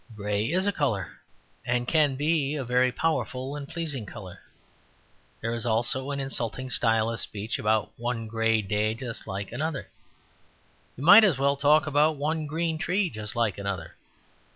Grey is a colour, and can be a very powerful and pleasing colour. There is also an insulting style of speech about "one grey day just like another" You might as well talk about one green tree just like another.